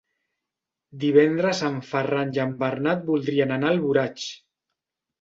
Divendres en Ferran i en Bernat voldrien anar a Alboraig.